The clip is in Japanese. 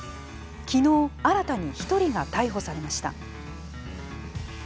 昨日、新たに１人が逮捕されました。